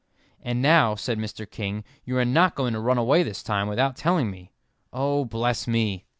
"And now," said Mr. King, "you are not going to run away this time without telling me oh, bless me!"